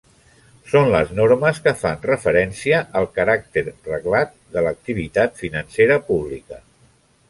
Són les normes que fan referència al caràcter reglat de l'activitat financera pública.